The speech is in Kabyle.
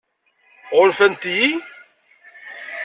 Ɣunfant-iyi?